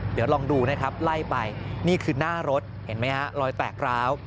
เดี๋ยวลองดูนะครับไล่ไปนี่คือหน้ารถเห็นไหมฮะรอยแตกร้าว